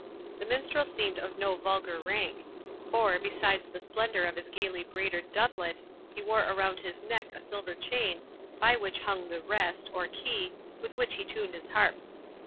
The Minstrel seemed of no vulgar rank; for, besides the splendour of his gaily braidered doublet, he wore around his neck a silver chain, by which hung the "wrest", or key, with which he tuned his harp.